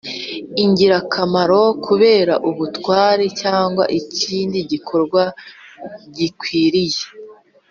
ingirakamaro kubera ubutwari cyangwa ikindi gikorwa gikwiriye